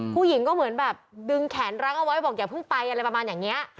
ผู้หญิงก็เหมือนแบบดึงแขนรั้งเอาไว้บอกอย่าเพิ่งไปอะไรประมาณอย่างนี้